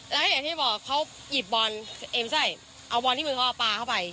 แล้วอย่างที่บอกเขาหยิบบอลเอ็มไส้เอาบอลที่มือเขาเอาปลาเข้าไป